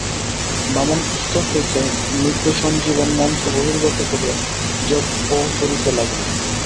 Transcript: বামন পুস্তক হইতে মৃতসঞ্জীবন মন্ত্র বহির্গত করিয়া জপ করিতে লাগিলেন।